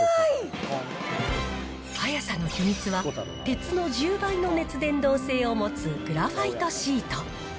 早さの秘密は、鉄の１０倍の熱伝導性を持つグラファイトシート。